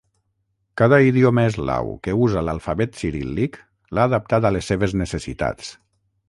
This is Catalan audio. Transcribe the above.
Cada idioma eslau que usa l'alfabet ciríl·lic l'ha adaptat a les seves necessitats.